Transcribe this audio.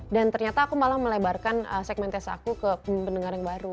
dan ternyata aku malah melebarkan segmen test aku ke pendengar yang baru